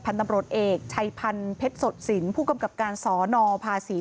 ถึงแม้ว่าทางโรงเรียนจะบอกว่าเสีย